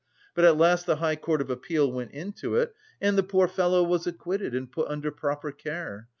But at last the High Court of Appeal went into it and the poor fellow was acquitted and put under proper care.